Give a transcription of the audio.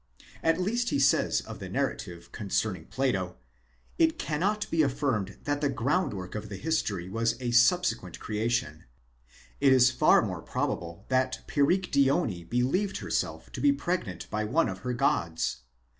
At least he says of the narrative concerning Plato: it cannot be affirmed that the groundwork of the history was a subsequent creation ; it is far more probable that Perictione believed herself to be pregnant by one of her gods.